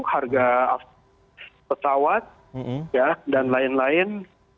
harga pesawat dan lain lain